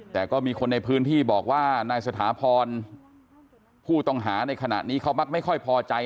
แต่ก็มีคนในพื้นที่บอกว่านายสถาพรผู้ต้องหาในขณะนี้เขามักไม่ค่อยพอใจ